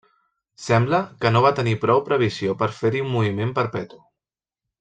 Sembla que no va tenir prou previsió per fer-hi un moviment perpetu.